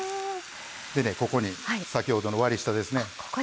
ここに先ほどの割り下ですね。